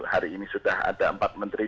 hari ini sudah ada empat menteri